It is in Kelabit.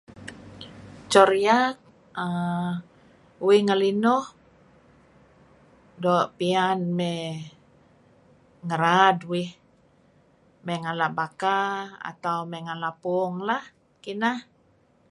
Co riyak uhm uih ngelinuh doo' piyan may ngeraad uih may ngalap baka atau may ngalap puung lah. Kineh.